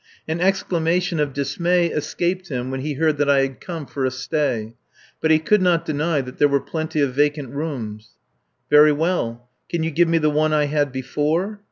An exclamation of dismay escaped him when he heard that I had come for a stay; but he could not deny that there were plenty of vacant rooms. "Very well. Can you give me the one I had before?"